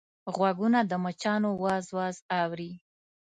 غوږونه د مچانو واز واز اوري